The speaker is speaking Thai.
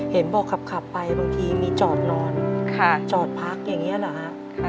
เห็นบอกขับไปบางทีมีจอดนอนจอดพักอย่างนี้เหรอฮะ